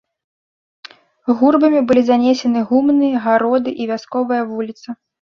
Гурбамі былі занесены гумны, гароды і вясковая вуліца.